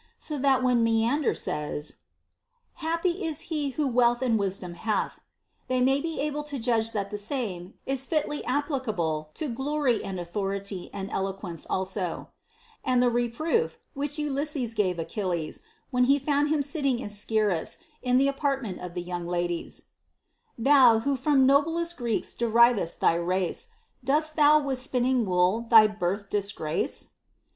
So that when Menander says, Happy is he who wealth and wisdom hath, they may be able to judge that the same is fitly applicable to glory and authority and eloquence also. And the re * Hesiod, Works and Days, 348. 88 HOW A YOUNG MAN OUGHT proof which Ulysses gives Achilles, when he found him sitting in Seyms in the apartment of the young ladies, Thou, who from noblest Greeks deriv'st thy race, Dost thou with spinning wool thy birth disgrace